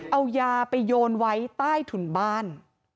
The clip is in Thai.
เอายาไปโยนไว้ใต้ถุนบ้าน